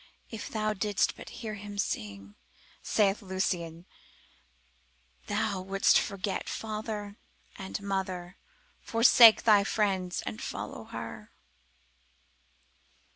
If thou didst but hear her sing, saith Lucian, thou wouldst forget father and mother, forsake all thy friends, and follow her.